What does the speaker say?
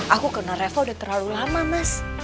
aku kenal reva udah terlalu lama mas